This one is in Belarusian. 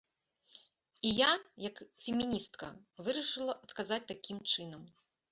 І я, як феміністка, вырашыла адказаць такім чынам.